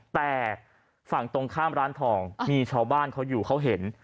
แต่ฝั่งตรงข้ามร้านทองมีชาวบ้านเขาอยู่เขาเห็น